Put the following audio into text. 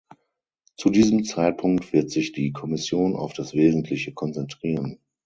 Zu diesem Zeitpunkt wird sich die Kommission auf das Wesentliche konzentrieren.